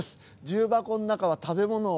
重箱の中は食べ物。